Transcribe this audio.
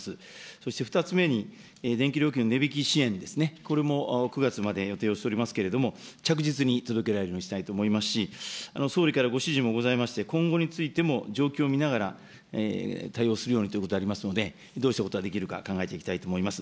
そして２つ目に電気料金の値引き支援ですね、これも９月まで予定をしておりますけれども、着実に届けられるようにしたいと思いますし、総理からご指示もございまして、今後についても、状況を見ながら対応するようにということでありますので、どうしたことができるか考えていきたいと思います。